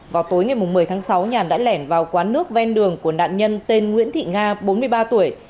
vào tối ngày một mươi tháng sáu nhàn đã lẻn vào quán nước ven đường của nạn nhân tên nguyễn thị nga bốn mươi ba tuổi